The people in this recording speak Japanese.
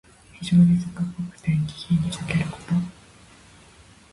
非情に俗っぽくて、気品にかけること。